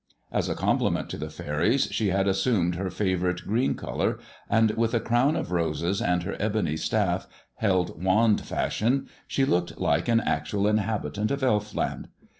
As a compliment to the faeries she had assumed their favourite green colour, and with a crown of roses, and her ehony staff held wand fashion, she looked like an actual inhabitant of Elf land.